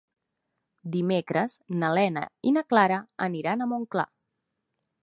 Dimecres na Lena i na Clara aniran a Montclar.